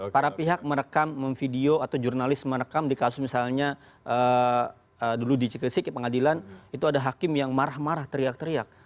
para pihak merekam video atau jurnalis merekam di kasus misalnya dulu di cikecik pengadilan itu ada hakim yang marah marah teriak teriak